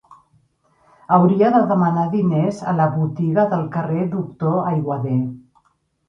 Hauria de demanar diners a la botiga del carrer Doctor Aiguader.